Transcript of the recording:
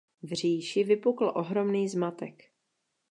V říši vypukl ohromný zmatek.